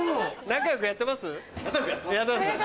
仲良くやってます。